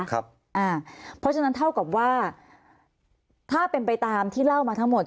เพราะฉะนั้นเท่ากับว่าถ้าเป็นไปตามที่เล่ามาทั้งหมด